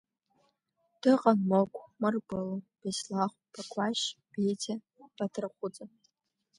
Дыҟан Мықә, Мыркәла, Беслахә, Ԥақәашь, Бедиа, Патрахәыҵа.